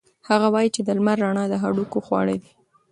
هغه وایي چې د لمر رڼا د هډوکو خواړه دي.